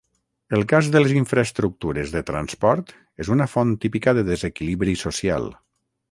El cas de les infraestructures de transport és una font típica de desequilibri social.